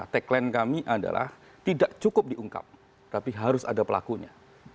tagline kami adalah tidak cukup diungkap tapi harus ada pelakunya